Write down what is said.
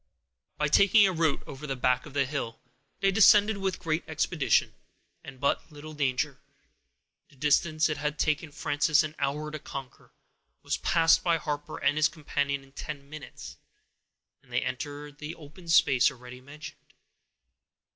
By taking a route over the back of the hill, they descended with great expedition, and but little danger. The distance it had taken Frances an hour to conquer, was passed by Harper and his companion in ten minutes, and they entered the open space already mentioned.